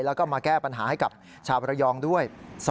แล้วก็มาแก้ปัญหาให้กับชาวประยองด้วย